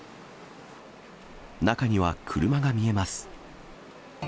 中には、車が見えます。